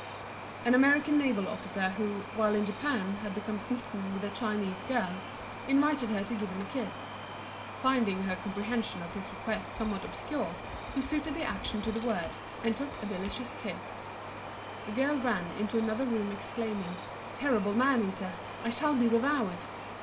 An American naval officer who, while in Japan, had become smitten with a Chinese girl, invited her to give him a kiss. Finding her comprehension of his request somewhat obscure, he suited the action to the word, and took a delicious kiss. The girl ran in another room exclaiming "terrible man eater. I shall be devoured."